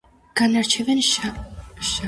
განარჩევენ შარდსაწვეთის მუცლისა და მენჯის ნაწილებს.